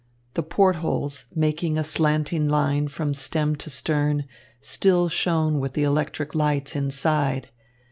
The port holes, making a slanting line from stem to stern, still shone with the electric lights inside.